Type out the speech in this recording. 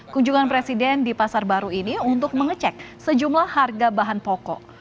kunjungan presiden di pasar baru ini untuk mengecek sejumlah harga bahan pokok